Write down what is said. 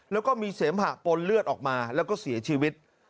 แล้วก็มีเสมหะปนเลือดออกมาแล้วก็เสียชีวิต